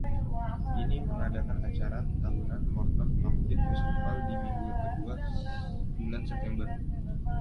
Ini mengadakan acara tahunan Morton Pumpkin Festival di minggu kedua bulan September.